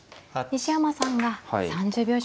西山さんが３０秒将棋に。